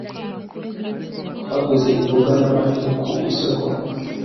twaguze imboga n'amafi ku isoko